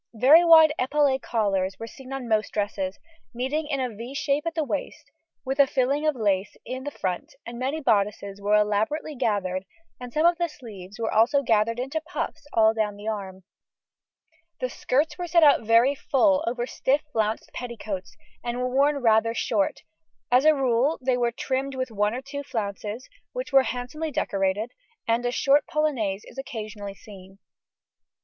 Very wide epaulet collars were seen on most dresses, meeting in a =V= shape at the waist, with a filling of lace in the front, and many bodices were elaborately gathered, and some of the sleeves were also gathered into puffs all down the arm. [Illustration: FIG. 115. 1830 1840.] The skirts were set out very full over stiff flounced petticoats, and were worn rather short; as a rule they were trimmed with one or two flounces, which were handsomely decorated, and a short polonaise is occasionally seen.